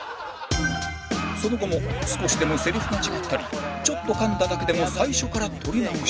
その後も少しでもセリフが違ったりちょっとかんだだけでも最初から撮り直し